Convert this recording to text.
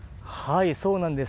そうなんです。